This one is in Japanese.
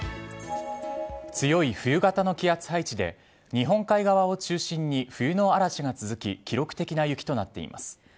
強い冬型の気圧配置で日本海側を中心に冬の嵐が続き記録的な雪となっています。